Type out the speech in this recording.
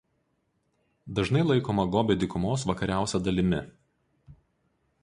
Dažnai laikoma Gobio dykumos vakariausia dalimi.